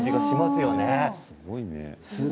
すごいね。